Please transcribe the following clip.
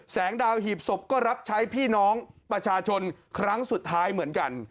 แสงดาวหีบศพก็รับใช้พี่น้องประชาชนครั้งสุดท้ายเหมือนกัน